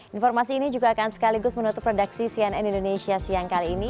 informasi ini juga akan sekaligus menutup redaksi cnn indonesia siang kali ini